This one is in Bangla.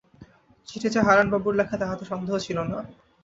চিঠি যে হারানবাবুর লেখা তাহাতে সন্দেহ ছিল না।